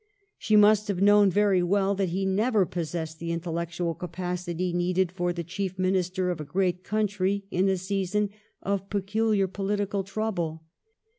She must have known very well that he never possessed the intellectual capacity needed for the chief minister of a great country in a season of pecuUar pohtical trouble.